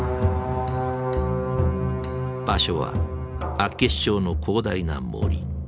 場所は厚岸町の広大な森。